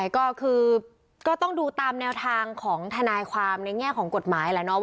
ก็คือก็ต้องดูตามแนวทางของทนายความในแง่ของกฎหมายแหละเนาะ